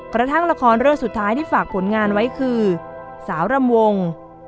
กระทั่งละครเรื่องสุดท้ายที่ฝากผลงานไว้คือสาวรำวง